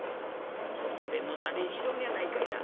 どっかで野たれ死にしとんのやないかいな。